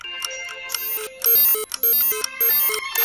野青茅为禾本科野青茅属下的一个种。